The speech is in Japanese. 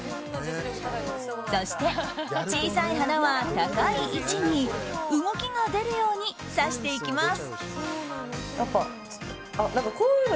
そして小さい花は高い位置に動きが出るように挿していきます。